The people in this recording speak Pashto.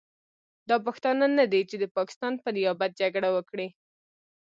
دا پښتانه نه دي چې د پاکستان په نیابت جګړه وکړي.